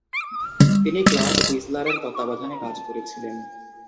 তিনি ক্লার্ক উইসলারের তত্ত্বাবধানে কাজ করেছিলেন।